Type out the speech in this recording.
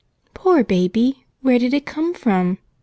"Poor baby! Where did it come from?"